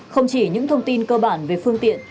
không chỉ những thông tin cơ bản về phương tiện